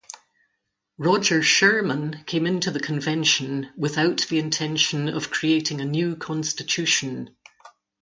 Roger Sherman came into the Convention without the intention of creating a new constitution.